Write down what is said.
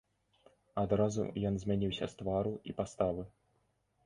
Адразу ён змяніўся з твару і паставы.